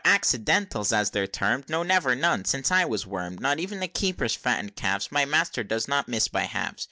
accidentals, as they're term'd? No never none since I was worm'd Not e'en the Keeper's fatted calves, My master does not miss by halves!